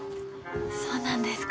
そうなんですか。